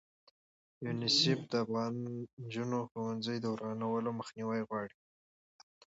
یونیسف د افغانو نجونو ښوونځي د ورانولو مخنیوی غواړي.